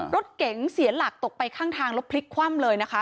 รถเก๋งเสียหลักตกไปข้างทางแล้วพลิกคว่ำเลยนะคะ